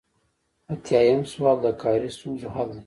ایاتیام سوال د کاري ستونزو حل دی.